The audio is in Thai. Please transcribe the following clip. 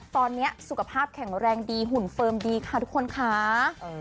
ตอนนี้สุขภาพแข็งแรงดีหุ่นเฟิร์มดีค่ะทุกคนค่ะ